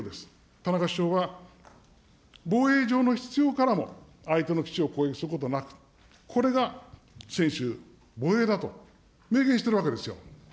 田中首相は、防衛上の必要からも、相手の基地を攻撃することなく、これが専守防衛だと明言しているわけですよ。